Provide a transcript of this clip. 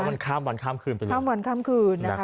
มันข้ามวันข้ามคืนไปเลยข้ามวันข้ามคืนนะคะ